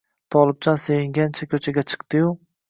Tolibjon sevingancha ko‘chaga chiqdi-yu